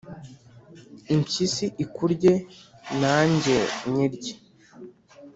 impyisi ikurye, na njye nyirye.